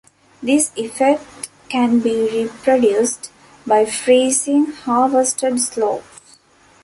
This effect can be reproduced by freezing harvested sloes.